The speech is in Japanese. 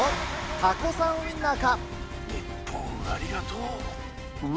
タコさんウインナー。